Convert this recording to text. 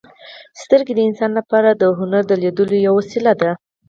• سترګې د انسان لپاره د هنر د لیدلو یوه وسیله ده.